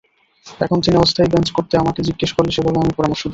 এখন তিনি অস্থায়ী বেঞ্চ করতে আমাকে জিজ্ঞেস করলে সেভাবে আমি পরামর্শ দেব।